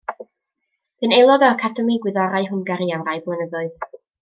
Bu'n aelod o Academi Gwyddorau Hwngari am rai blynyddoedd.